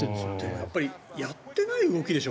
やっぱりやってない動きでしょ。